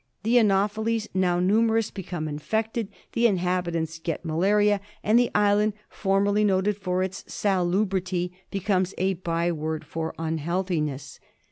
The anopheles, now numerous, become infected, the inhabitants get malaria, and the island, formerly noted for its salubrity, becomes a by word for un healthiness.